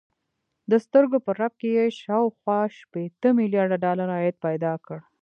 د سترګو په رپ کې يې شاوخوا شپېته ميليارده ډالر عايد پيدا کړ.